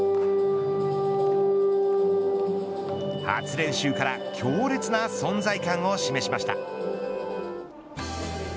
初練習から強烈な存在感を示しました。